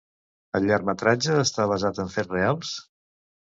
El llargmetratge està basat en fets reals?